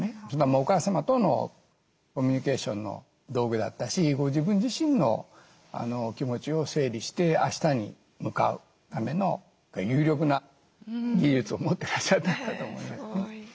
おかあ様とのコミュニケーションの道具だったしご自分自身の気持ちを整理してあしたに向かうための有力な技術を持ってらっしゃったかと思いますね。